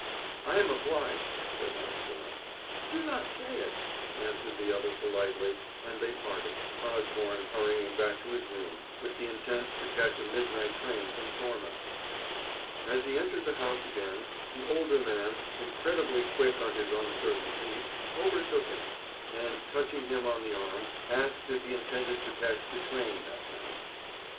"I am obliged," said Osborne. "Do not say it," answered the other politely, and they parted, Osborne hurrying back to his room, with the intent to catch a midnight train from Tormouth. As he entered the house again, the older man, incredibly quick on his uncertain feet, overtook him, and, touching him on the arm, asked if he intended to catch the train that night.